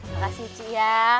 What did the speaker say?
makasih cik ya